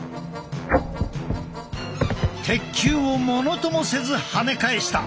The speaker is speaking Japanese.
鉄球を物ともせずはね返した。